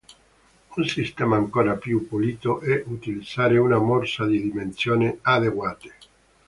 Un sistema ancora più pulito è utilizzare una morsa di dimensioni adeguate.